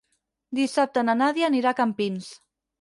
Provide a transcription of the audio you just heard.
Dissabte na Nàdia anirà a Campins.